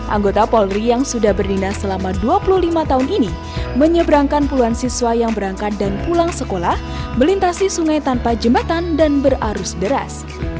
anggota polri yang sudah berdinas selama dua puluh lima tahun ini menyeberangkan puluhan siswa yang berangkat dan pulang sekolah melintasi sungai tanpa jembatan dan berarus deras